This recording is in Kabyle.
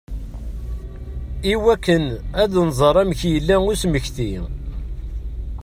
I wakken ad nẓer amek i d-yella usmekti.